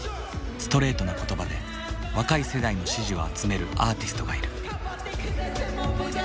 ストレートな言葉で若い世代の支持を集めるアーティストがいる。